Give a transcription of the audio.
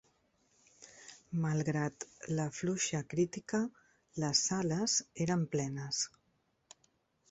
Malgrat la fluixa crítica, les sales eren plenes.